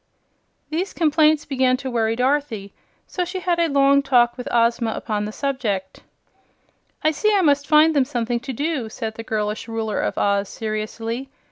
These complaints began to worry Dorothy; so she had a long talk with Ozma upon the subject. "I see I must find them something to do," said the girlish Ruler of Oz, seriously.